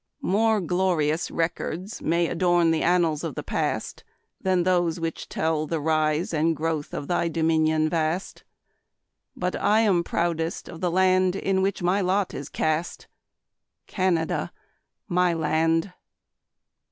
More glorious records may adorn The annals of the past Than those which tell the rise and growth Of thy dominion vast; But I am proudest of the land In which my lot is cast, Canada, my land.